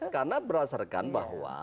karena berdasarkan bahwa